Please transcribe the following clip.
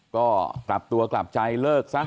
รับตัวกลับใจเลิกซะ